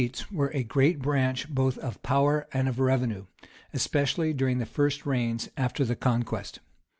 ] The escheats were a great branch both of power and of revenue, especially during the first reigns after the conquest.